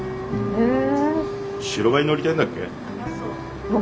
へえ！